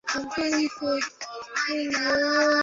na madhara yakeahabari mjini New York Marekani